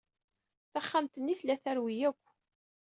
Taxxamt-nni tella terwi akk.